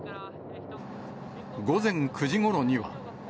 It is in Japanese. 午前９時ごろには。